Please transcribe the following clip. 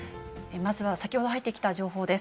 まずは先ほど入ってきた情報です。